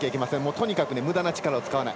とにかくむだな力を使わない。